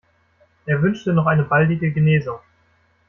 Er wünschte noch eine baldige Genesung.